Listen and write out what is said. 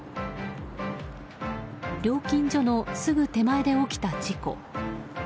料金所のすぐ手前で起きた事故。